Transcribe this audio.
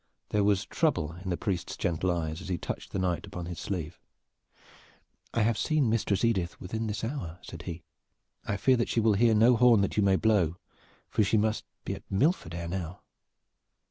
There was trouble in the priest's gentle eyes as he touched the Knight upon the sleeve. "I have seen Mistress Edith within this hour," said he. "I fear that she will hear no horn that you may blow, for she must be at Milford ere now."